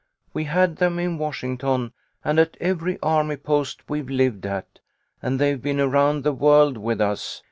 We had them in Washington and at every army post we've lived at, and they've been around the world with us.